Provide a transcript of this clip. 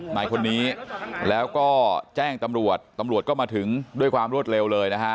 นายคนนี้แล้วก็แจ้งตำรวจตำรวจก็มาถึงด้วยความรวดเร็วเลยนะฮะ